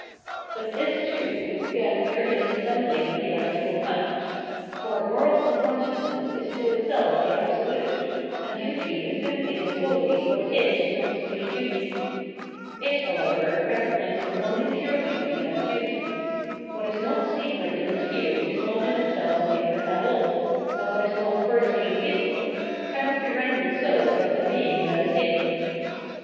But this, too, is again merely a dissembling of the actual fact. For moral self consciousness is to itseh Dissemblance 635 the absolute, and duty is simply and solely what it. knows to be duty. It, however, recognises only pure duty as duty : what is not sacred in its view is not in itself sacred at all, and what is not per se sacred cannot be rendered so by some being that is sacred.